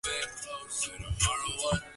长蕊红景天为景天科红景天属的植物。